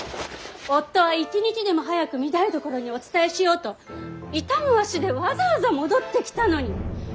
夫は一日でも早く御台所にお伝えしようと痛む足でわざわざ戻ってきたのに。